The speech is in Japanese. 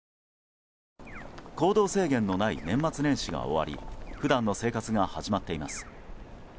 行動制限のない年末年始が終わり普段の生活が始まっています。